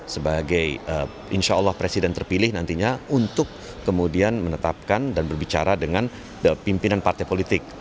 sebagai insya allah presiden terpilih nantinya untuk kemudian menetapkan dan berbicara dengan pimpinan partai politik